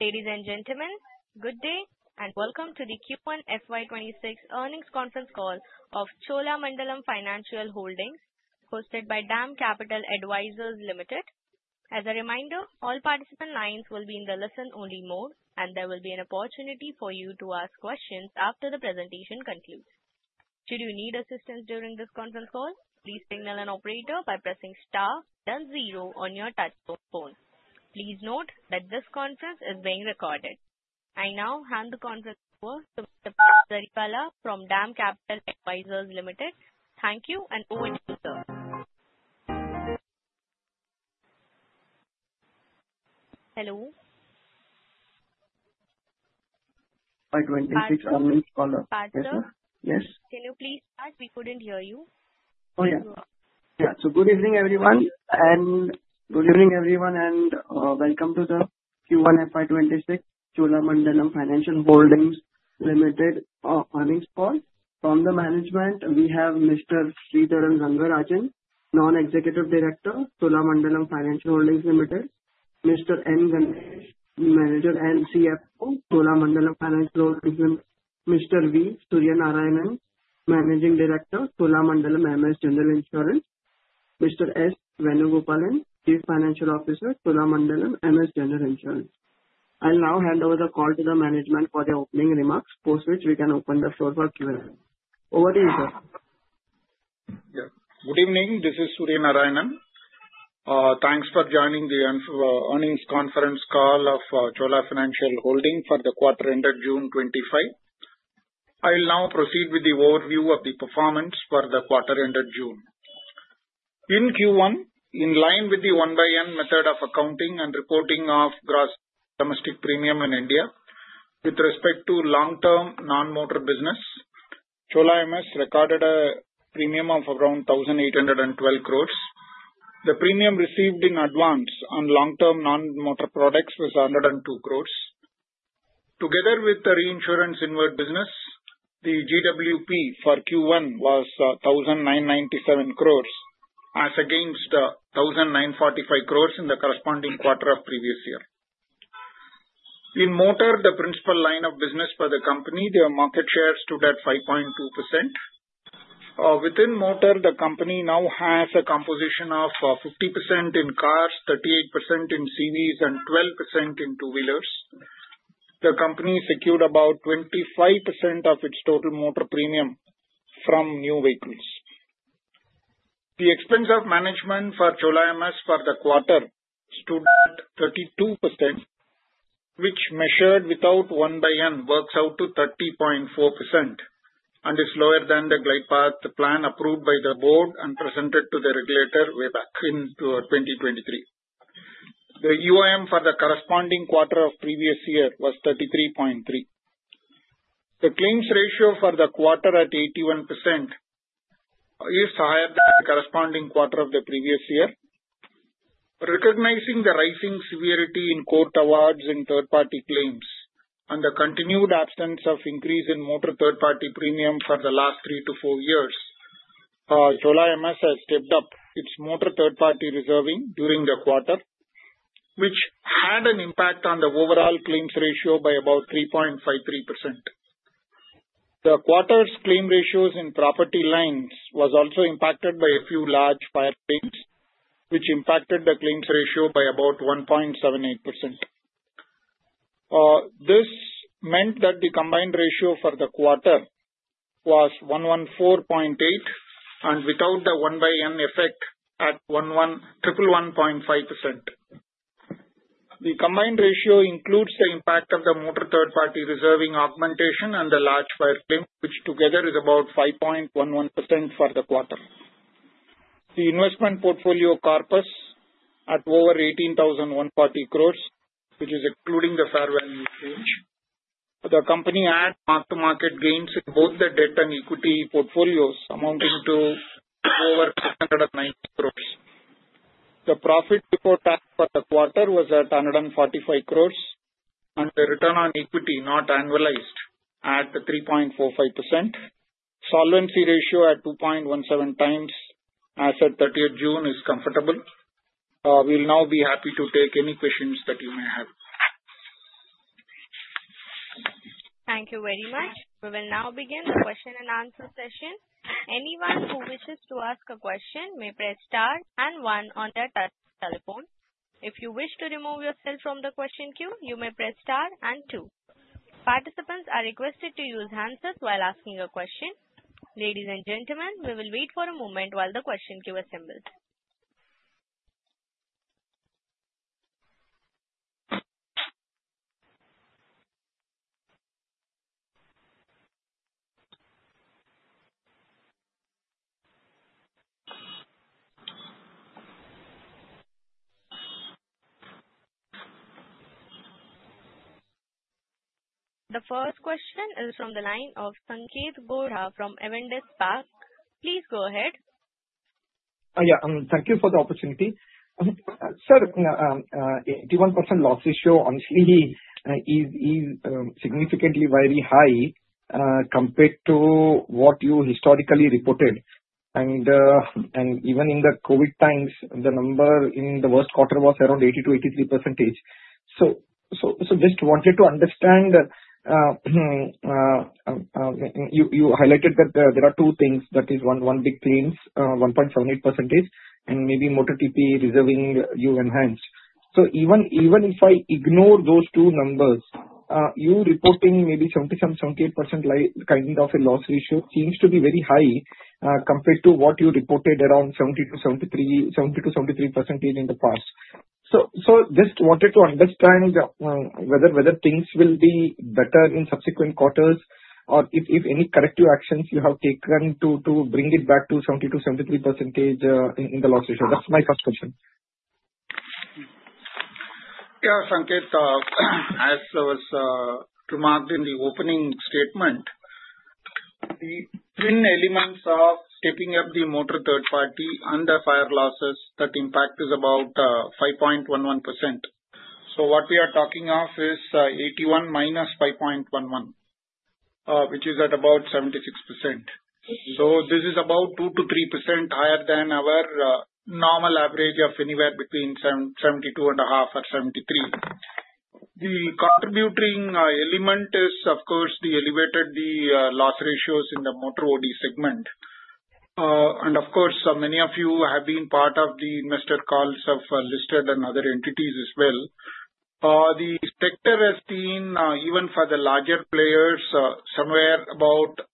Ladies and gentlemen, good day and welcome to the Q1 FY 2026 earnings conference call of Cholamandalam Financial Holdings, hosted by DAM Capital Advisors Ltd. As a reminder, all participant lines will be in the listen-only mode, and there will be an opportunity for you to ask questions after the presentation concludes. Should you need assistance during this conference call, please signal an operator by pressing star and zero on your touch phone. Please note that this conference is being recorded. I now hand the conference over to Mr. Parth Jariwala from DAM Capital Advisors Ltd. Thank you and over to you. Hello. FY 2026 earnings call. Yes. Can you please start? We couldn't hear you. Good evening, everyone, and welcome to the Q1 FY 2026 Cholamandalam Financial Holdings Limited Earnings Call. From the management, we have Mr. Sridharan Rangarajan, Non-Executive Director, Cholamandalam Financial Holdings Limited, Mr. N. Ganesh, Chief Financial Officer, Cholamandalam Financial Holdings Limited, Mr. V. Suryanarayanan, Managing Director, Cholamandalam MS General Insurance, and Mr. S. Venugopalan, Chief Financial Officer, Cholamandalam MS General Insurance. I'll now hand over the call to the management for their opening remarks, post which we can open the floor for Q&A. Over to you, sir. Yeah. Good evening. This is Suryanarayanan. Thanks for joining the earnings conference call of Cholamandalam Financial Holdings Limited for the quarter ended June 2025. I'll now proceed with the overview of the performance for the quarter ended June. In Q1, in line with the one-by-one method of accounting and reporting of gross written premium in India, with respect to long-term non-motor business, Cholamandalam recorded a premium of around 1,812 crores. The premium received in advance on long-term non-motor products was 102 crores. Together with the reinsurance accepted business, the GWP for Q1 was 1,997 crores as against 1,945 crores in the corresponding quarter of the previous year. In motor, the principal line of business for the company, their market share stood at 5.2%. Within motor, the company now has a composition of 50% in cars, 38% in CVs, and 12% in two-wheelers. The company secured about 25% of its total motor premium from new vehicles. The expense of management for Cholamandalam for the quarter stood at 32%, which measured without one-by-one works out to 30.4% and is lower than the glide path plan approved by the board and presented to the regulator way back in 2023. The expense of management ratio for the corresponding quarter of the previous year was 33.3%. The claims ratio for the quarter at 81% is higher than the corresponding quarter of the previous year. Recognizing the rising severity in court awards in third-party claims and the continued absence of increase in motor third-party premium for the last three to four years, Cholamandalam has stepped up its motor third-party reserving during the quarter, which had an impact on the overall claims ratio by about 3.53%. The quarter's claim ratios in property lines were also impacted by a few large fire claims, which impacted the claims ratio by about 1.78%. This meant that the combined ratio for the quarter was 114.8% and without the one-by-one effect at 111.5%. The combined ratio includes the impact of the motor third-party reserving augmentation and the large fire claims, which together is about 5.11% for the quarter. The investment portfolio corpus at over 18,140 crore, which is excluding the fair value exchange. The company had mark-to-market gains in both the debt and equity portfolios amounting to over 390 crore. The profit report for the quarter was at 145 crore and the return on equity not annualized at 3.45%. Solvency ratio at 2.17x as of 30th June is comfortable. We'll now be happy to take any questions that you may have. Thank you very much. We will now begin the question and answer session. Anyone who wishes to ask a question may press star and one on their touch telephone. If you wish to remove yourself from the question queue, you may press star and two. Participants are requested to use handsets while asking your question. Ladies and gentlemen, we will wait for a moment while the question queue assembles. The first question is from the line of Sanketh Godha from Avendus Spark. Please go ahead. Thank you for the opportunity. I think, sir, the 81% loss ratio, honestly, is significantly very high compared to what you historically reported. Even in the COVID times, the number in the worst quarter was around 80%-83%. I just wanted to understand, you highlighted that there are two things. That is one big claims, 1.78%, and maybe motor TP reserving you enhance. Even if I ignore those two numbers, you reporting maybe 77%-78% kind of a loss ratio seems to be very high compared to what you reported around 70%-73% in the past. I just wanted to understand whether things will be better in subsequent quarters or if any corrective actions you have taken to bring it back to 70%-73% in the loss ratio. That's my first question. Yeah, Sanketh, as I remarked in the opening statement, the thin elements of keeping up the motor third-party under fire losses, that impact is about 5.11%. What we are talking of is 81%-5.11%, which is at about 76%. This is about 2%-3% higher than our normal average of anywhere between 72.5%-73%. The contributing element is, of course, the elevated loss ratios in the motor body segment. Many of you have been part of the investor calls of listed and other entities as well. The sector has been, even for the larger players, somewhere about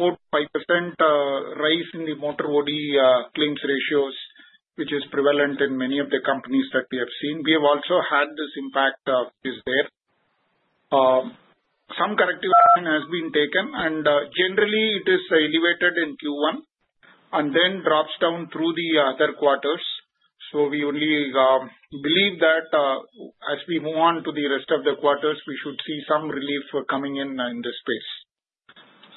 4%-5% rise in the motor body claims ratios, which is prevalent in many of the companies that we have seen. We have also had this impact. Some corrective action has been taken, and generally, it is elevated in Q1 and then drops down through the other quarters. We only believe that as we move on to the rest of the quarters, we should see some relief coming in in this space.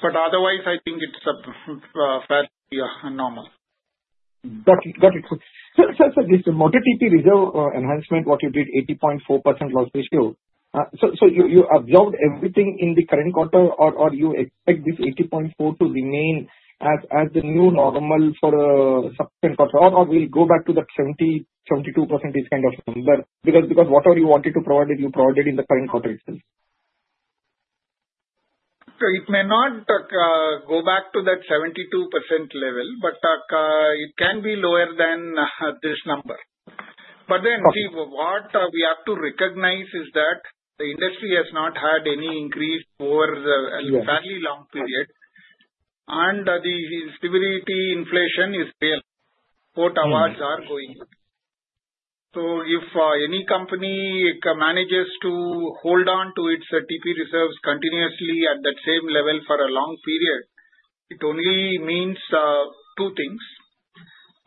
Otherwise, I think it's fairly normal. Just a motor TP reserve enhancement, what you did, 80.4% loss ratio. You absorbed everything in the current quarter, or you expect this 80.4% to remain as the new normal for the subsequent quarter, or will it go back to that 70%-72% kind of number? Because whatever you wanted to provide, you provided in the current quarter itself. It may not go back to that 72% level, but it can be lower than this number. What we have to recognize is that the industry has not had any increase over a fairly long period, and the stability inflation is there. Court awards are going up. If any company manages to hold on to its TP reserves continuously at that same level for a long period, it only means two things.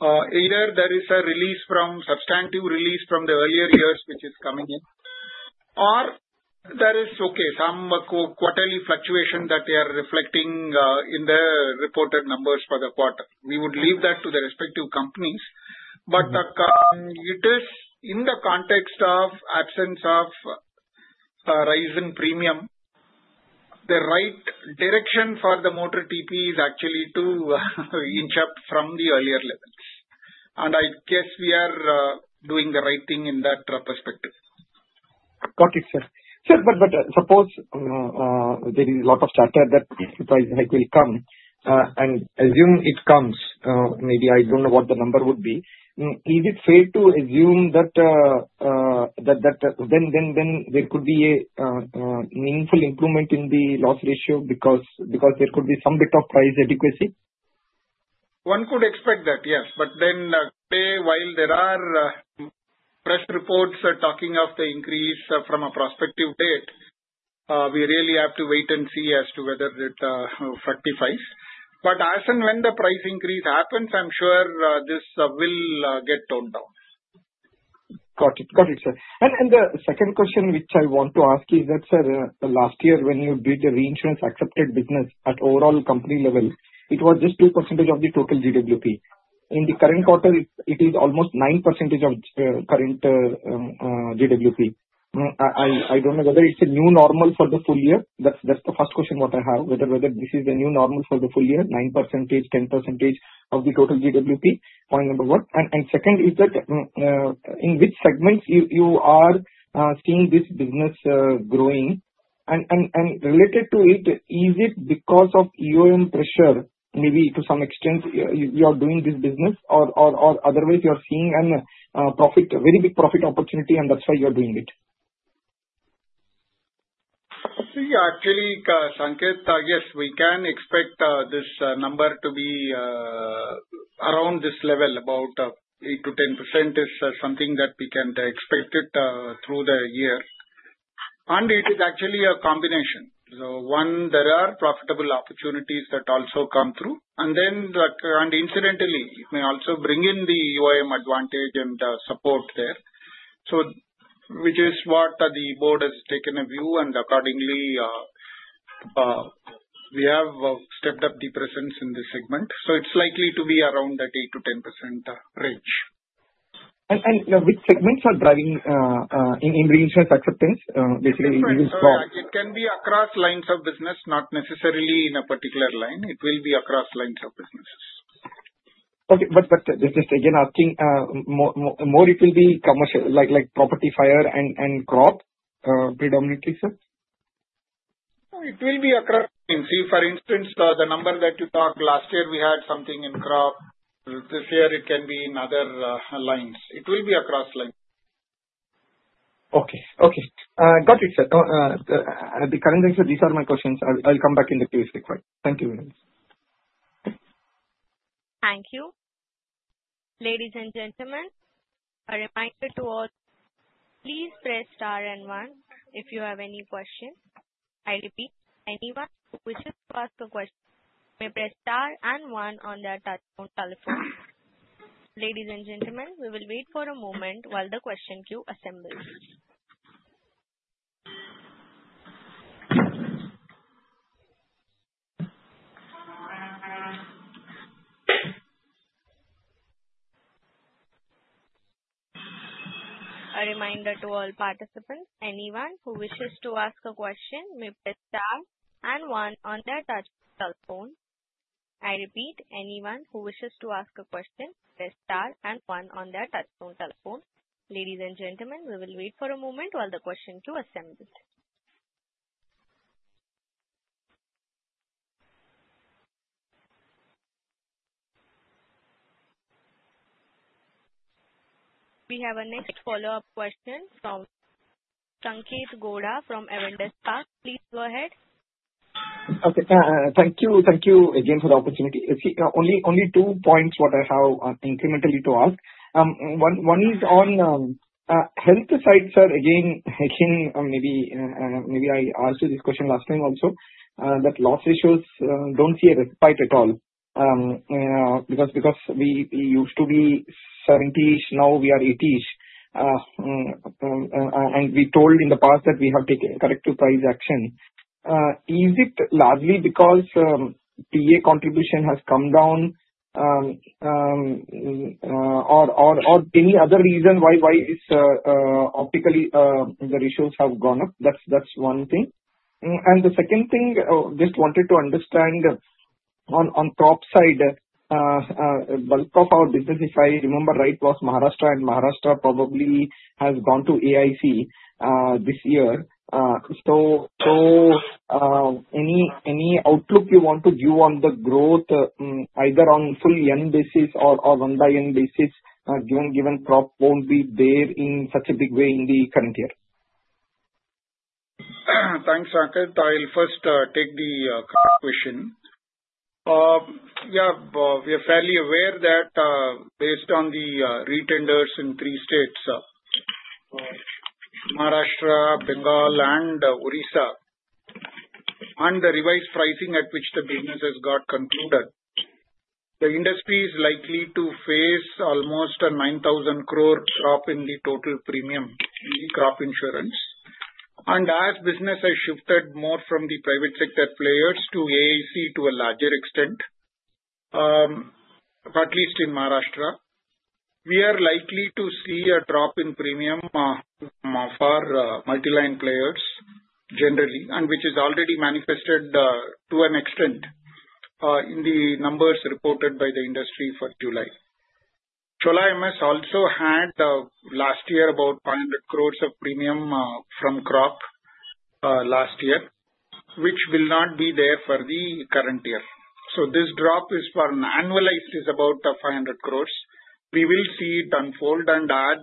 Either there is a release from substantive release from the earlier years, which is coming in, or there is some quarterly fluctuation that we are reflecting in the reported numbers for the quarter. We would leave that to the respective companies. It is in the context of absence of a rise in premium, the right direction for the motor TP is actually to inch up from the earlier levels. I guess we are doing the right thing in that perspective. Got it, sir. Sir, suppose there is a lot of chatter that supply will come. Assume it comes, maybe I don't know what the number would be. Is it fair to assume that there could be a meaningful improvement in the loss ratio because there could be some bit of price adequacy? One could expect that, yes. While there are press reports talking of the increase from a prospective date, we really have to wait and see as to whether that factifies. As and when the price increase happens, I'm sure this will get toned down. Got it. Got it, sir. The second question which I want to ask is that, sir, last year when you did the reinsurance accepted business at overall company level, it was just 2% of the total GWP. In the current quarter, it is almost 9% of current GWP. I don't know whether it's a new normal for the full year. That's the first question what I have, whether this is a new normal for the full year, 9%-10% of the total GWP. Point number one. Second is that in which segments you are seeing this business growing. Related to it, is it because of EOM pressure, maybe to some extent you are doing this business, or otherwise you are seeing a very big profit opportunity and that's why you're doing it? Yes, Sanjay, we can expect this number to be around this level, about 8%-10% is something that we can expect through the year. It is actually a combination. There are profitable opportunities that also come through, and incidentally, it may also bring in the UIM advantage and support there, which is what the board has taken a view on and accordingly, we have stepped up the presence in this segment. It is likely to be around that 8%-10% range. Which segments are driving in reinsurance acceptance? Basically, we will. It can be across lines of business, not necessarily in a particular line. It will be across lines of business. Okay, is this again asking more if it will be commercial, like property, fire, and crop predominantly, sir? It will be across. If, for instance, the number that you talked last year, we had something in crop insurance. This year, it can be in other lines. It will be across lines. Okay. Got it, sir. Currently, sir, these are my questions. I'll come back in the Q&A stick. Thank you. Thank you. Ladies and gentlemen, a reminder to all, please press star and one if you have any questions. I repeat, anyone who wishes to ask a question may press star and one on their touch phone telephone. Ladies and gentlemen, we will wait for a moment while the question queue assembles. A reminder to all participants, anyone who wishes to ask a question may press star and one on their touch cell phone. I repeat, anyone who wishes to ask a question may press star and one on their touch phone telephone. Ladies and gentlemen, we will wait for a moment while the question queue assembles. We have a next follow-up question from Sanketh Godha from Avendus Spark. Please go ahead. Okay. Thank you. Thank you again for the opportunity. Only two points I have incrementally to ask. One is on health side, sir. I think maybe I asked you this question last time also, that loss issues don't see a respite at all. We used to be 70%, now we are 80%. We told in the past that we have taken corrective price action. Is it largely because PA contribution has come down or any other reason why it's optically the ratios have gone up? That's one thing. The second thing, just wanted to understand on crop side, a bulk of our business, if I remember right, was Maharashtra, and Maharashtra probably has gone to Agriculture Insurance Company of India Limited this year. Any outlook you want to view on the growth, either on full year basis or one by year basis, given crop won't be there in such a big way in the current year? Thanks, Sanjay. I'll first take the crop question. We are fairly aware that based on the re-tenders in three states, Maharashtra, Bengal, and Orissa, and the revised pricing at which the business has got concluded, the industry is likely to face almost 9,000 crores drop in the total premium in crop insurance. As business has shifted more from the private sector players to Agriculture Insurance Company of India Limited to a larger extent, at least in Maharashtra, we are likely to see a drop in premium for multiline players generally, which is already manifested to an extent in the numbers reported by the industry for July. Cholamandalam also had last year about 100 crores of premium from crop last year, which will not be there for the current year. This drop is for an annualized is about 500 crores. We will see it unfold and as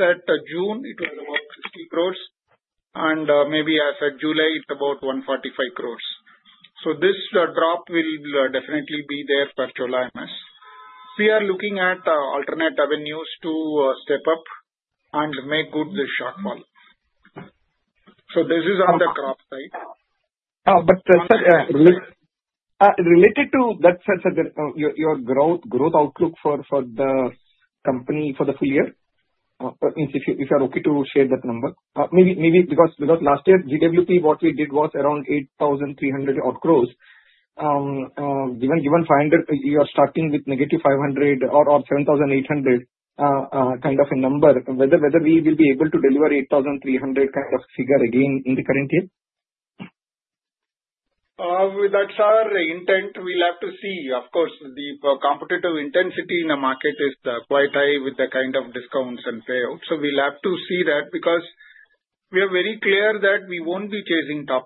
at June, it was about 50 crores, and maybe as at July, it's about 145 crores. This drop will definitely be there for Cholamandalam. We are looking at alternate avenues to step up and make good the shortfall. This is on the crop side. Related to that sense of your growth, growth outlook for the company for the full year, if you're okay to share that number, maybe because last year's GWP, what we did was around 8,300 crores. Given 500 crores, you're starting with -500 crores or 7,800 crores kind of a number, whether we will be able to deliver 8,300 crore kind of figure again in the current year? That's our intent. We'll have to see. Of course, the competitive intensity in the market is quite high with the kind of discounts and payouts. We'll have to see that because we are very clear that we won't be chasing top.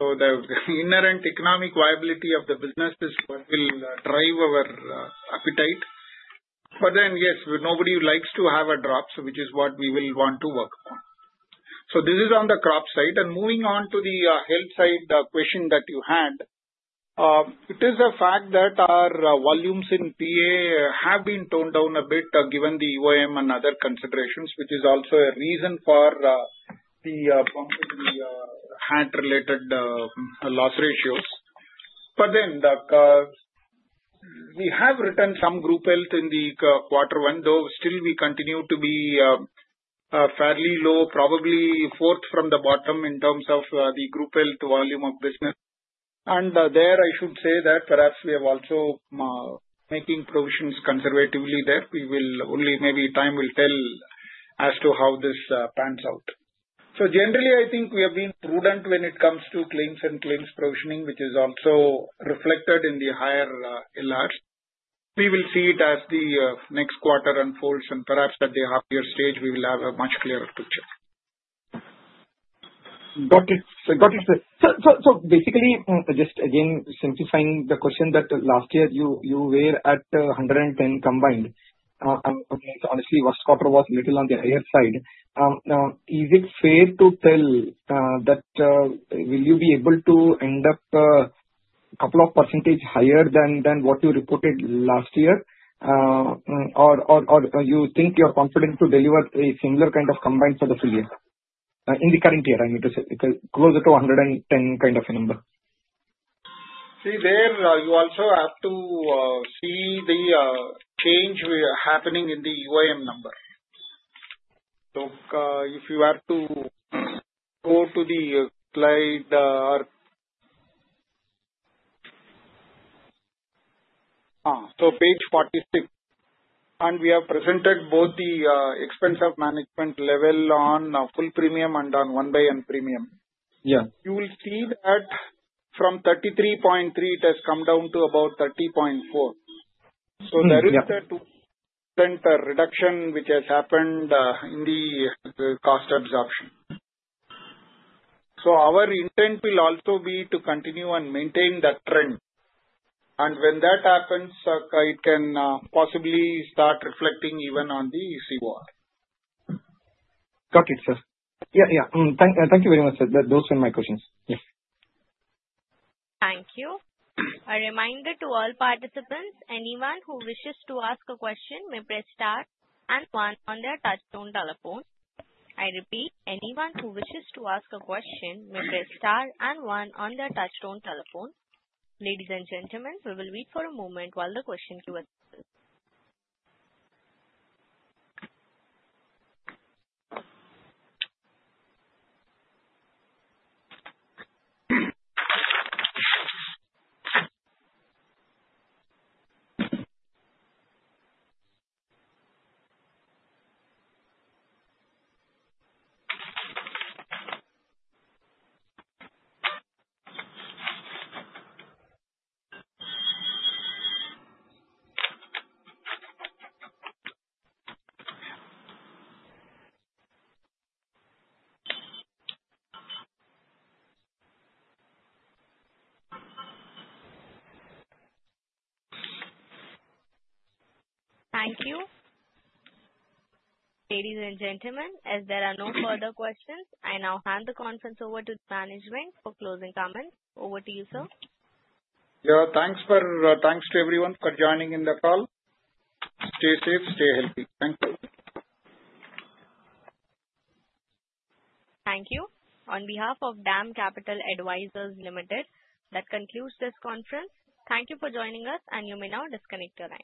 The inherent economic viability of the business is what will drive our appetites. Yes, nobody likes to have a drop, which is what we will want to work on. This is on the crop side. Moving on to the health side, the question that you had, it is a fact that our volumes in PA have been toned down a bit given the UIM and other considerations, which is also a reason for the form we had related loss ratios. We have returned some group health in the quarter one, though still we continue to be fairly low, probably fourth from the bottom in terms of the group health volume of business. I should say that perhaps we have also been making provisions conservatively there. Only maybe time will tell as to how this pans out. Generally, I think we have been prudent when it comes to claims and claims provisioning, which is also reflected in the higher LRs. We will see it as the next quarter unfolds and perhaps at the half-year stage, we will have a much clearer picture. Got it. Got it. Basically, just again, simplifying the question that last year you were at 110% combined. Honestly, first quarter was a little on the higher side. Is it fair to tell that will you be able to end up a couple of percentage higher than what you reported last year, or you think you're competent to deliver a similar kind of combined for the full year? In the current year, I mean to say it's closer to 110% kind of a number. You also have to see the change happening in the UIM number. If you go to slide or page 46, we have presented both the expense of management level on full premium and on one-by-one premium. You will see that from 33.3%, it has come down to about 30.4%. There is a reduction which has happened in the cost absorption. Our intent will also be to continue and maintain that trend. When that happens, it can possibly start reflecting even on the COR. Got it, sir. Thank you very much. Those were my questions. Thank you. A reminder to all participants, anyone who wishes to ask a question may press star and one on their touchstone telephone. I repeat, anyone who wishes to ask a question may press star and one on their touchstone telephone. Ladies and gentlemen, we will wait for a moment while the question queue assembles. Thank you. Ladies and gentlemen, as there are no further questions, I now hand the conference over to the management for closing comments. Over to you, sir. Yeah. Thanks to everyone for joining in the call. Stay safe. Stay healthy. Thank you. Thank you. On behalf of DAM Capital Advisors Ltd, that concludes this conference. Thank you for joining us, and you may now disconnect your line.